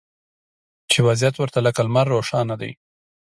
چې وضعیت ورته لکه لمر روښانه دی